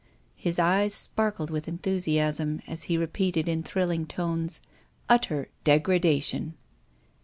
His eyes sparkled with enthusiasm, as he re peated in thrilling tones, " Utter degradation."